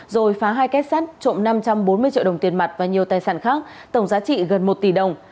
rồi phá hai kết sắt trộm năm trăm bốn mươi triệu đồng tiền mặt và nhiều tài sản khác tổng giá trị gần một tỷ đồng